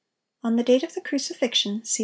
On the date of the crucifixion, see Wm.